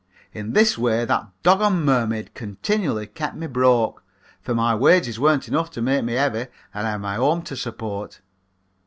In this way that doggon mermaid continually kept me broke, for my wage warn't enough to make me heavy and I had my home to support.